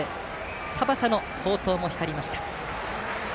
田端の好投も光りました。